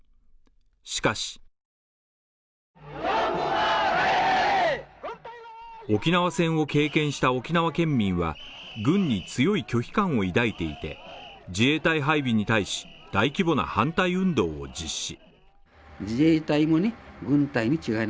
しかし沖縄戦を経験した沖縄県民は軍に強い拒否感を抱いていて自衛隊配備に対し、大規模な反対運動を実施。